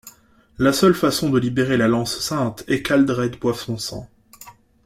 La seule façon de libérer la lance sainte est qu'Aldred boive son sang.